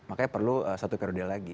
makanya perlu satu periode lagi